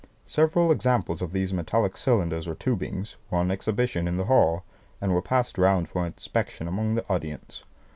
Several examples of these metallic cylinders or tubings were on exhibition in the hall, and were passed round for inspection among the audience.